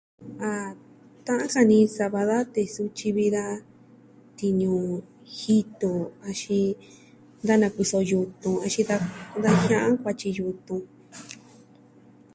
A ta'an ka ini sava da tee sutyi vi da tiñu jitu axin da nakuiso yutun axin da jia'an kuatyi yutun.